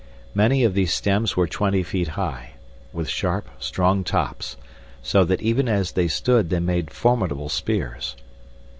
Many of these stems were twenty feet high, with sharp, strong tops, so that even as they stood they made formidable spears.